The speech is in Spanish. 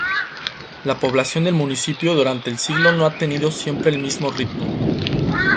La población del municipio durante el siglo no ha tenido siempre el mismo ritmo.